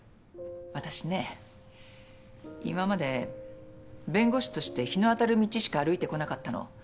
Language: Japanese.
私ね今まで弁護士として日の当たる道しか歩いてこなかったの。